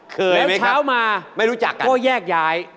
เขยไหมครับไม่รู้จักครับแล้วเช้ามาก็แยกย้าย